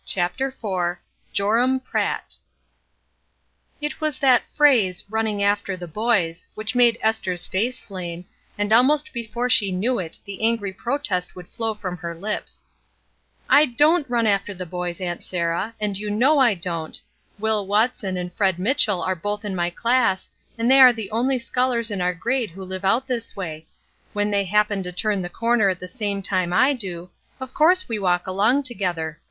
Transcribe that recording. CHAPTER IV JOEAM PRATT IT was that phrase, "running after the boys," which made Esther's face flame, and almost before she knew it the angry protest would flow from her hps. "I don't run after the boys, Aunt Sarah, and you know I don't. Will Watson and Fred Mitchell are both in my class, and they are the only scholars in our grade who live out this way; when they happen to turn the corner at the same time that I do, of course we walk along together.